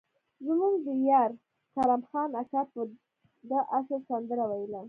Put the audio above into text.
زموږ د ديار کرم خان اکا به د اشر سندره ويله.